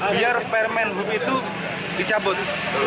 biar permen hub itu dicabut